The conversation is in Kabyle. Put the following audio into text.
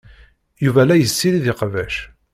Yuba la yessirid iqbac.